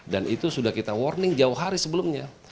dan itu sudah kita warning jauh hari sebelumnya